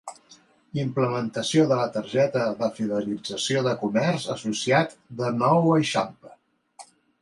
Implementació de la Targeta de Fidelització del Comerç Associat de Nou Eixample.